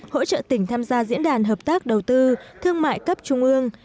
hỗ trợ tỉnh tham gia diễn đàn hợp tác đầu tư thương mại cấp trung ương